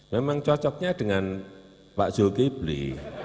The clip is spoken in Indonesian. memang cocoknya dengan pak zulkifli